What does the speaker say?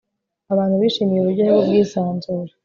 abantu bishimiye uburyohe bwubwisanzure